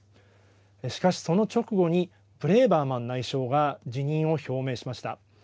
しかし、その直後にブレーバーマン内相が辞任を表明しました。